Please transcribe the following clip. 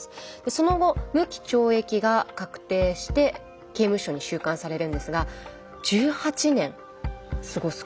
その後無期懲役が確定して刑務所に収監されるんですが１８年過ごすことになります。